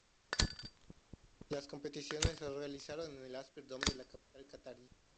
Las competiciones se realizaron en el Aspire Dome de la capital catarí.